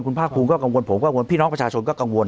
คุณภาคภูมิก็กังวลผมกังวลพี่น้องประชาชนก็กังวล